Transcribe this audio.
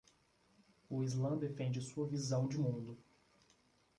O islã defende sua visão de mundo